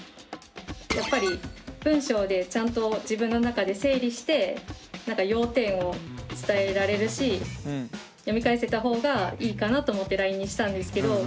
やっぱり文章でちゃんと自分の中で整理して要点を伝えられるし読み返せたほうがいいかなと思ってＬＩＮＥにしたんですけど。